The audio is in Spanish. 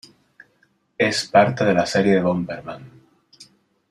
Es parte de la serie de Bomberman.